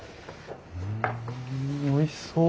うんおいしそう。